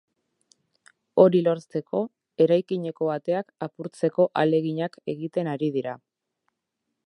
Hori lortzeko, eraikineko ateak apurtzeko ahaleginak egiten ari dira.